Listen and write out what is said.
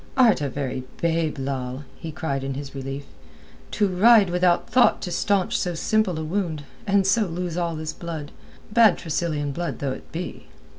"Art a very babe, Lal," he cried in his relief. "To ride without thought to stanch so simple a wound, and so lose all this blood—bad Tressilian blood though it be."